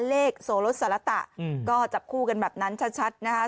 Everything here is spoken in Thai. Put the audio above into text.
เลขโสลสารตะก็จับคู่กันแบบนั้นชัดนะคะ